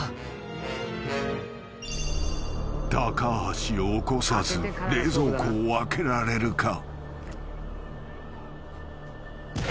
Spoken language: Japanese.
［橋を起こさず冷蔵庫を開けられるか？］